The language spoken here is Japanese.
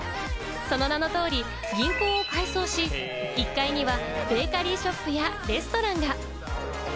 その名の通り銀行を改装し、１階にはベーカリーショップやレストランが。